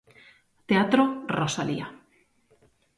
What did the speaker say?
Teatro Rosalía.